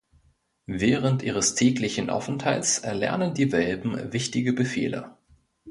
Während ihres täglichen Aufenthalts erlernen die Welpen wichtige Befehle.